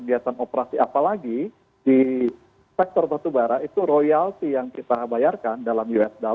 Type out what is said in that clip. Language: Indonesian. dan operasi apalagi di sektor batu bara itu royalti yang kita bayarkan dalam usd